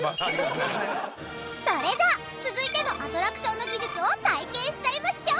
それじゃあ続いてのアトラクションの技術を体験しちゃいましょう！